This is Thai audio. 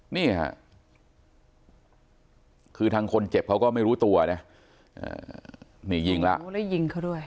นี่ค่ะคือทางคนเจ็บเขาก็ไม่รู้ตัวนะนี่ยิงแล้วแล้วยิงเขาด้วย